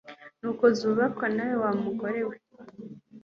ni uko zubakwa nawe wamugore we